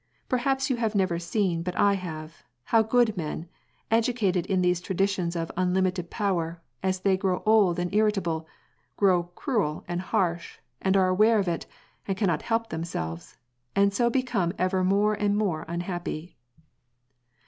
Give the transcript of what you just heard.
Perhaps you have never seen but I have, — how good men, educated in these traditions of unlimited power, as they grow old and irritable, grow cruel and harsh, and are aware of it and cannot help themselves, and so become ever more and more unhappy."